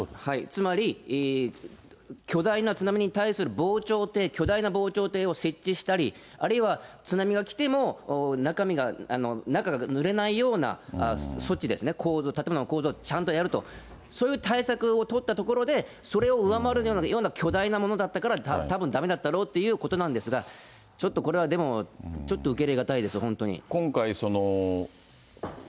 つまり、巨大な津波に対する防潮堤、巨大な防潮堤を設置したり、あるいは津波が来ても、中がぬれないような措置ですね、構造、建物の構造をちゃんとやると、そういう対策を取ったところで、それを上回るような巨大なものだったから、たぶんだめだったろうということなんですが、ちょっとこれはでも、ちょっと受け入れ難いです、本当に。